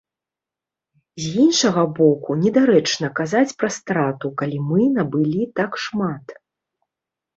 З іншага боку, недарэчна казаць пра страту, калі мы набылі так шмат.